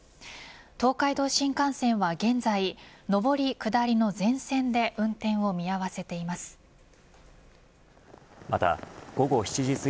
東海道新幹線は現在上り下りの全線で運転を見合わせています。